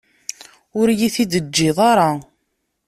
Ur iyi-t-id-teǧǧiḍ ara.